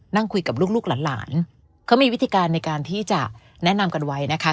นั่งคุยกับลูกลูกหลานเขามีวิธีการในการที่จะแนะนำกันไว้นะคะ